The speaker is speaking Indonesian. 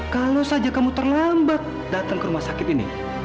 kalau saja kamu terlambat datang ke rumah sakit ini